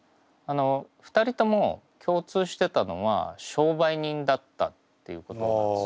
２人とも共通してたのは商売人だったということなんです。